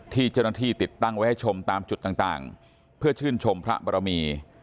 ที่เจ้าหน้าที่ติดตั้งไว้ให้ชมตามจุดต่างเพื่อชื่นชมพระบรมี